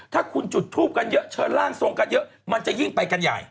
ถ้าคุณจุดทูปกันเยอะเชิญร่างทรงกันเยอะมันจะยิ่งไปกันใหญ่